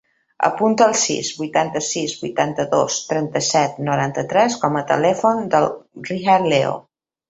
Apunta el sis, vuitanta-sis, vuitanta-dos, trenta-set, noranta-tres com a telèfon del Riyad Leo.